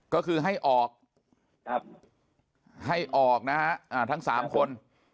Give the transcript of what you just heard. ก็คือให้ออกให้ออกนะฮะทั้ง๓คน